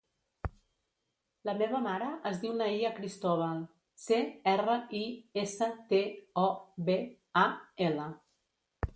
La meva mare es diu Nahia Cristobal: ce, erra, i, essa, te, o, be, a, ela.